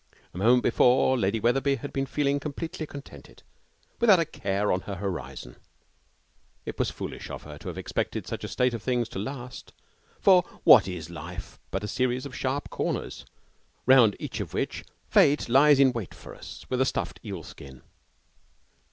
A moment before, Lady Wetherby had been feeling completely contented, without a care on her horizon. It was foolish of her to have expected such a state of things to last, for what is life but a series of sharp corners, round each of which Fate lies in wait for us with a stuffed eel skin?